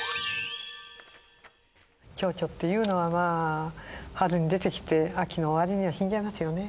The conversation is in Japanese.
ちょうちょっていうのは、春に出てきて、秋の終わりには死んじゃいますよね。